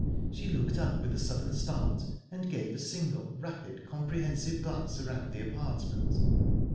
She looked up with a sudden start, and gave a single rapid, comprehensive glance around the apartment.